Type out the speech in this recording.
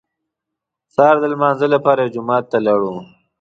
سهار د لمانځه لپاره یو جومات ته لاړو.